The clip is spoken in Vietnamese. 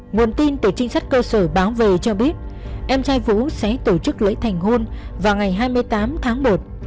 nguồn tin từ trinh sát cơ sở báo về cho biết em trai vũ sẽ tổ chức lễ thành hôn vào ngày hai mươi tám tháng một